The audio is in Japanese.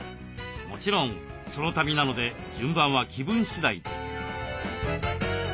もちろんソロ旅なので順番は気分次第。